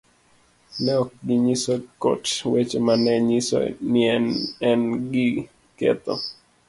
Ne ok ginyiso kot weche ma ne nyiso ni ne en gi ketho